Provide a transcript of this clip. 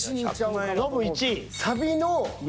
ノブ１位？